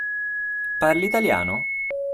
Parli italiano?